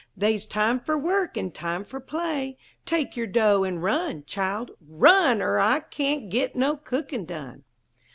They's time fer work, an' time fer play! Take yer dough, an' run, Child; run! Er I cain't git no cookin' done!"